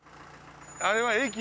あれは駅。